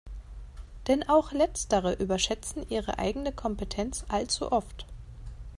Denn auch letztere überschätzen ihre eigene Kompetenz allzu oft.